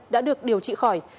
đã được điều trị khỏi